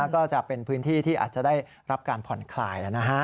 ก็จะเป็นพื้นที่ที่อาจจะได้รับการผ่อนคลาย